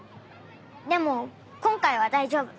でも今回は大丈夫。